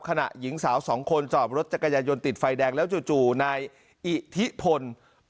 หญิงสาวสองคนจอดรถจักรยายนติดไฟแดงแล้วจู่นายอิทธิพล